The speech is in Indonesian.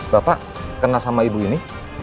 bapak kenal sama ibu ini